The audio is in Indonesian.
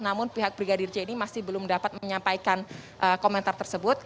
namun pihak brigadir j ini masih belum dapat menyampaikan komentar tersebut